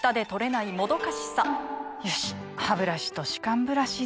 よしハブラシと歯間ブラシでと。